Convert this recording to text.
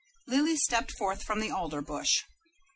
Lily stepped forth from the alder bush.